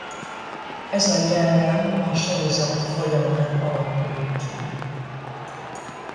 Ez a jellem a sorozat folyamán alakul ki.